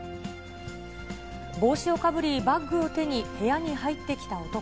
帽子をかぶり、バッグを手に部屋に入ってきた男。